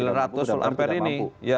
termasuk yang sembilan ratus volt ampere ini